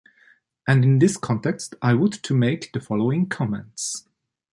And in this context i would to make the following comments.